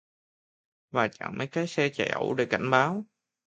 Và chặn mấy cái xe chạy ẩu để cảnh báo